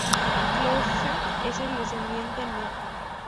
Krauser es el descendiente No.